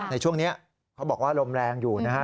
ในช่วงนี้เขาบอกว่าลมแรงอยู่นะฮะ